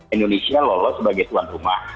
indonesia lolos sebagai tuan rumah